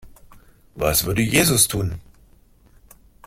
Was würde Jesus tun?